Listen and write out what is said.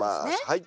はい。